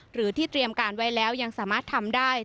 หรือที่เตรียมการไว้แล้วยังสามารถทำได้